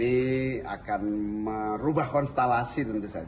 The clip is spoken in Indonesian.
ini akan merubah konstalasi